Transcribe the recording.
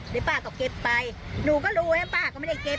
เดี๋ยวป้าก็เก็บไปหนูก็รู้นะป้าก็ไม่ได้เก็บ